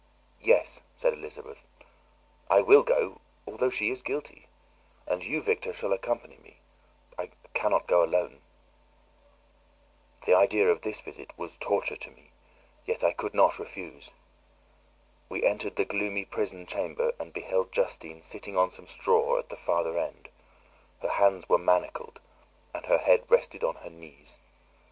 "Yes," said Elizabeth, "I will go, although she is guilty; and you, Victor, shall accompany me; I cannot go alone." The idea of this visit was torture to me, yet I could not refuse. We entered the gloomy prison chamber and beheld Justine sitting on some straw at the farther end; her hands were manacled, and her head rested on her knees.